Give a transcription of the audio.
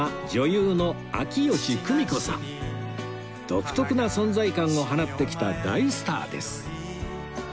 独特な存在感を放ってきた大スターです